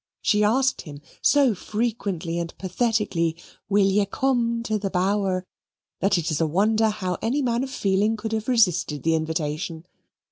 She asked him so frequently and pathetically, Will ye come to the bower? that it is a wonder how any man of feeling could have resisted the invitation.